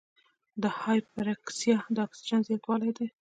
د هایپراکسیا د اکسیجن زیاتوالی دی.